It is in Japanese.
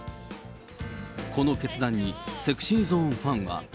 この決断にＳｅｘｙＺｏｎｅファンは。